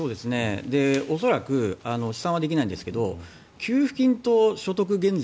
恐らく試算はできないんですが給付金と所得減税